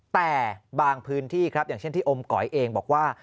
แต่บางพื้นที่ครับอย่างเช่นที่อมก๋อยเองบอกว่า